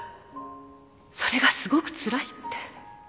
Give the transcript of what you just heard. それがすごくつらいって。